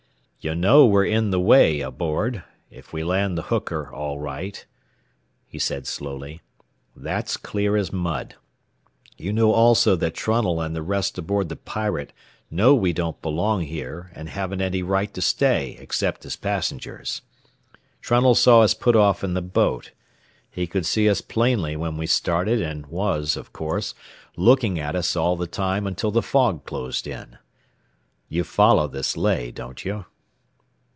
"You know we're in the way aboard, if we land the hooker all right," he said slowly. "That's clear as mud. You know also that Trunnell and the rest aboard the Pirate know we don't belong here and haven't any right to stay except as passengers. Trunnell saw us put off in the boat. He could see us plainly when we started and was, of course, looking at us all the time until the fog closed in. You follow this lay, don't you?"